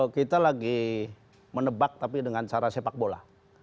kita lagi menebak tapi dengan cara sepak bola